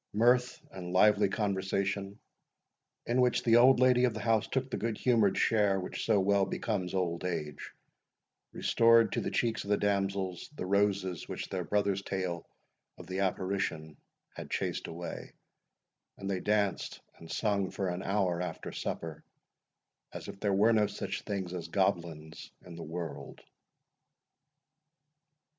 Mirth and lively conversation, in which the old lady of the house took the good humoured share which so well becomes old age, restored to the cheeks of the damsels the roses which their brother's tale of the apparition had chased away, and they danced and sung for an hour after supper as if there were no such things as goblins in the world.